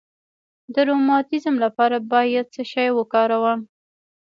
د روماتیزم لپاره باید څه شی وکاروم؟